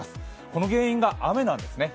この原因が雨なんですね。